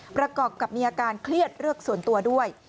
ประกอบกับมีอาการเครียดเรื่องส่วนตัวด้วย